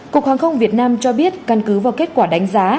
cục hàng không việt nam cho biết căn cứ vào kết quả đánh giá